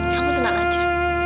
kamu tenang aja